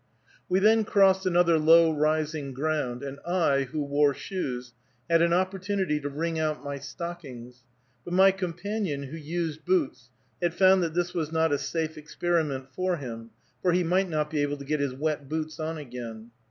We then crossed another low rising ground, and I, who wore shoes, had an opportunity to wring out my stockings, but my companion, who used boots, had found that this was not a safe experiment for him, for he might not be able to get his wet boots on again.